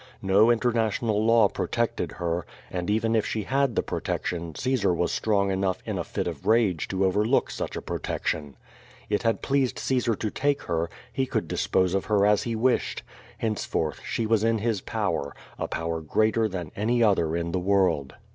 No international law protected her, and even if she had the pro tection Caesar was strong enough in a fit of rage to overlook such a protection. It had pleased Caesar to take her; He i QUO VADI8. 51 could dispose of her as he wished. Henceforth she was in his power, a power greater than any other in the world.